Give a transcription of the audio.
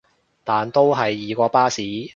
但都係易過巴士